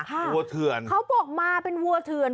เขาบอกมาเป็นวัวเถื่อน